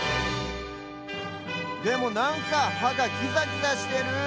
でもなんかはがキザギザしてる。